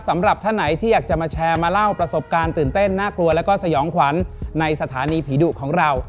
สำหรับท่านไหนที่อยากจะมาแชร์มาเล่าประสบการณ์ตื่นเต้นน่ากลัวแล้วก็สยองขวัญในสถานีผีดุของเรา